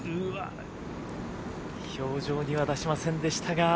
表情には出しませんでしたが。